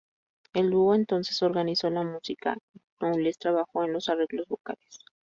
El dúo entonces organizó la música y Knowles trabajó en los arreglos vocales.